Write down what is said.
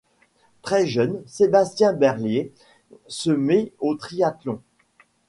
Très jeune, Sébastien Berlier se met au triathlon.